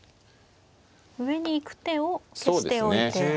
上に行く手を消しておいて。